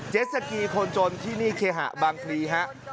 สกีคนจนที่นี่เคหะบางพลีฮะ